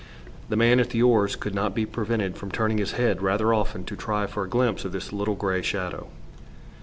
The man at the oars could not be prevented from turning his head rather often to try for a glimpse of this little grey shadow.